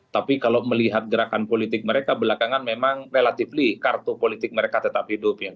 tapi kalau melihat gerakan politik mereka belakangan memang relatively kartu politik mereka tetap hidup ya